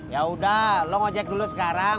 yaudah lo ngajak dulu sekarang